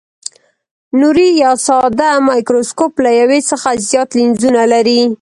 نوري یا ساده مایکروسکوپ له یو څخه زیات لینزونه لري.